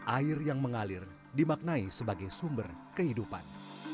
air yang mengalir dimaknai sebagai sumber kehidupan